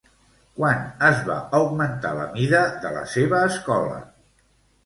Quan es va augmentar la mida de la seva escola?